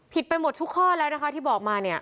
ไปหมดทุกข้อแล้วนะคะที่บอกมาเนี่ย